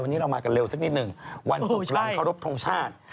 วันนี้เรามากันเร็วสักนิดหนึ่งวันศุกร์หลังเคารพทงชาติ